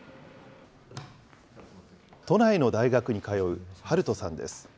都内の大学に通うハルトさんです。